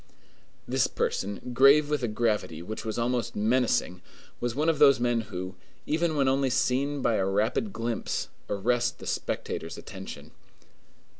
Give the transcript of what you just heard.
This person, grave with a gravity which was almost menacing, was one of those men who, even when only seen by a rapid glimpse, arrest the spectator's attention.